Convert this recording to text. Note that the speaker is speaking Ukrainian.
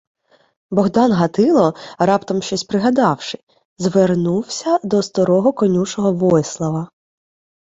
Богдан Гатило, раптом щось пригадавши, звернувся до старого конюшого Войслава: